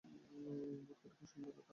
বোধ করি কুসুমই তাহার নাম হইবে।